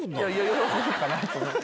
喜ぶかなと思って。